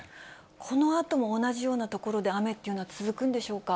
このあとも同じような所で雨っていうのは続くんでしょうか。